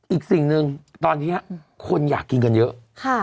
อีกสิ่งหนึ่งตอนนี้คนอยากกินกันเยอะ